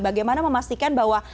bagaimana memastikan bahwa